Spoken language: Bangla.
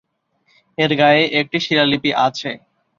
এর গায়ে একটি শিলালিপি আছে।